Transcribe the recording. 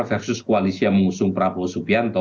versus koalisi yang mengusung prabowo subianto